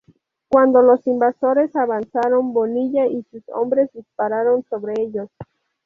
Cuando los invasores avanzaron, Bonilla y sus hombres dispararon sobre ellos.